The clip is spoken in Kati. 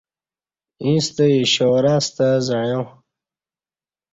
ایݩستہ اشارہ ستہ زعݩیا